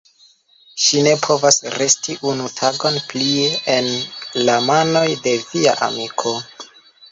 Ŝi ne povas resti unu tagon plie en la manoj de via amiko.